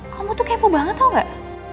kamu tuh kepo banget tau gak